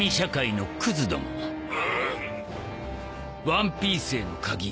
ワンピースへの鍵